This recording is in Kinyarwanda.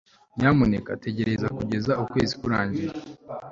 nyamuneka tegereza kugeza ukwezi kurangiye